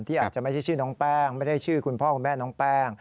อาจจะไม่ใช่ชื่อน้องแป้งไม่ได้ชื่อคุณพ่อคุณแม่น้องแป้ง